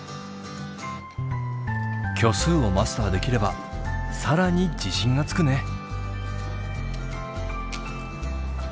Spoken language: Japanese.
虚数をマスターできれば更に自信がつくね。